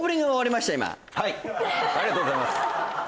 ありがとうございます